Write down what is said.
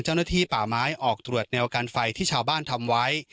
เจ้าหน้าที่ป่าไม้ออกตรวจแนวการไฟที่ชาวบ้านทำไว้